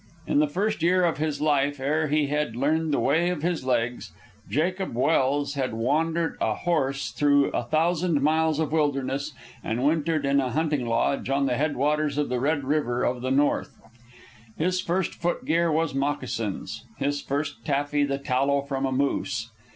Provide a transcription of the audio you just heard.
In the first year of his life, ere he had learned the way of his legs, Jacob Welse had wandered a horse through a thousand miles of wilderness, and wintered in a hunting lodge on the head waters of the Red River of the North. His first foot gear was moccasins, his first taffy the tallow from a moose.